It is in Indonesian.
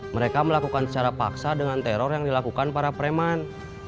mereka melakukan secara paksa dengan teror yang dilakukan para preman